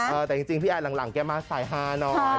แต่จริงพี่แอนหลังแกมาสายฮาหน่อย